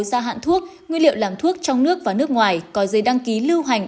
gia hạn thuốc nguyên liệu làm thuốc trong nước và nước ngoài có giấy đăng ký lưu hành